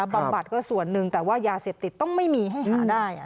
บำบัดก็ส่วนหนึ่งแต่ว่ายาเสพติดต้องไม่มีให้หาได้